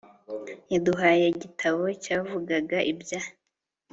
yaduhaye igitabo cyavugaga ibya